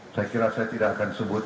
saya kira saya tidak akan sebut